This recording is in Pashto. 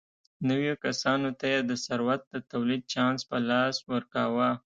نویو کسانو ته یې د ثروت د تولید چانس په لاس ورکاوه.